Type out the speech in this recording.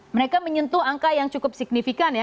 mereka menyentuh angka yang cukup signifikan ya